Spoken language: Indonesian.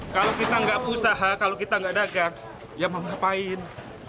kalau kita tidak berusaha kalau kita tidak dagang ya mau ngapain